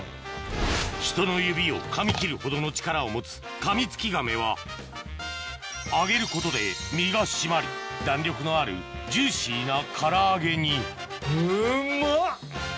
人の指をかみ切るほどの力を持つ揚げることで身が締まり弾力のあるジューシーな唐揚げにうんま！